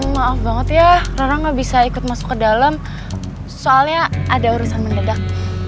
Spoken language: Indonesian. maaf banget ya rara nggak bisa ikut masuk ke dalam soalnya ada urusan mendadak